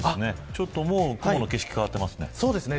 ちょっともう雲の景色が変わってますね。